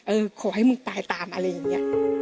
ขอให้มึงตายตามอะไรอย่างนี้